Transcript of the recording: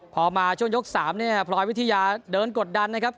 พอมาช่วงยก๓เนี่ยพลอยวิทยาเดินกดดันนะครับ